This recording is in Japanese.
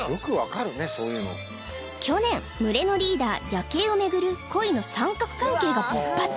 去年群れのリーダーヤケイをめぐる恋の三角関係が勃発